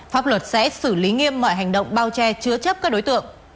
pháp luật sẽ xử lý nghiêm mọi hành động bao che chứa chấp các đối tượng